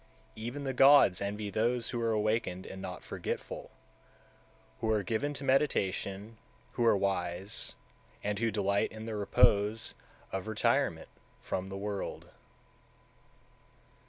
181. Even the gods envy those who are awakened and not forgetful, who are given to meditation, who are wise, and who delight in the repose of retirement (from the world).